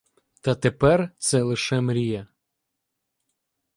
Та тепер це лише мрія.